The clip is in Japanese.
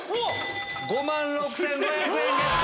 ５万６５００円ゲット！